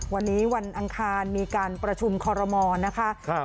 วันนี้วันอังคารมีการประชุมคอรมอลนะคะ